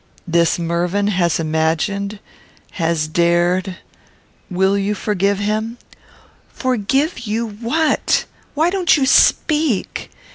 "This Mervyn has imagined, has dared will you forgive him?" "Forgive you what? Why don't you speak?